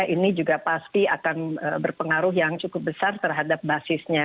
ini juga pasti akan berpengaruh yang cukup besar terhadap basisnya